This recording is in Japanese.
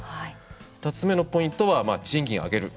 ２つ目のポイントは賃金を上げる。